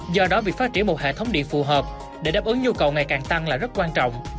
do đó việc phát triển một hệ thống điện phù hợp để đáp ứng nhu cầu ngày càng tăng là rất quan trọng